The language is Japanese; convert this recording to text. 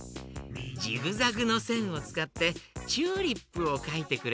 ジグザグのせんをつかってチューリップをかいてくれたよ。